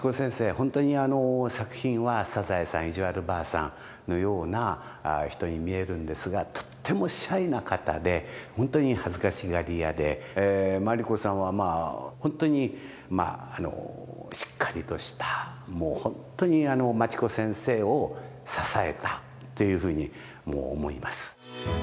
本当に作品は「サザエさん」「いじわるばあさん」のような人に見えるんですがとってもシャイな方で本当にはずかしがりやで鞠子さんはまあ本当にあのしっかりとした本当に町子先生を支えたというふうに思います。